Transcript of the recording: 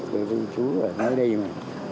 bởi vì chú ở nơi đây mà